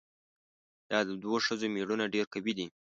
دا د دوو ښځو ميړونه ډېر قوي دي؟